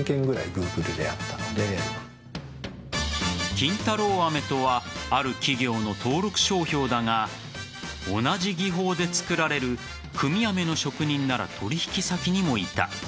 金太郎飴とはある企業の登録商標だが同じ技法で作られる組み飴の職人なら取引先にもいた。